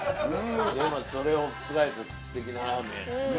でもそれを覆す素敵なラーメン。